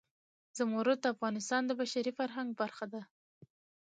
زمرد د افغانستان د بشري فرهنګ برخه ده.